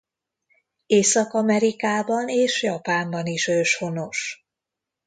Észak-Amerikában és Japánban is őshonos.